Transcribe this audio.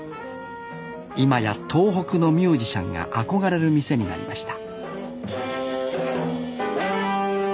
今や東北のミュージシャンが憧れる店になりました